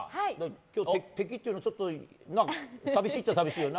今日、敵っていうのはちょっと寂しいっちゃ寂しいよな。